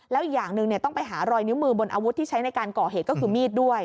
แล้วอีกอย่างหนึ่งต้องไปหารอยนิ้วมือบนอาวุธที่ใช้ในการก่อเหตุก็คือมีดด้วย